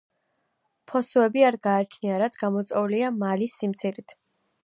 ფოსოები არ გააჩნია, რაც გამოწვეულია მალის სიმცირით.